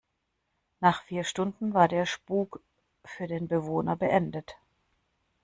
Nach vier Stunden war der Spuk für den Bewohner beendet.